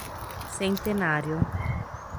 Centenário